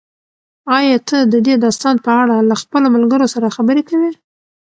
ایا ته د دې داستان په اړه له خپلو ملګرو سره خبرې کوې؟